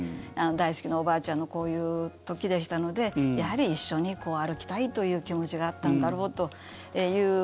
大好きなおばあちゃんのこういう時でしたのでやはり一緒に歩きたいという気持ちがあったんだろうという。